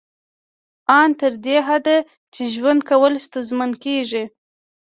ان تر دې حده چې ژوند کول ستونزمن کیږي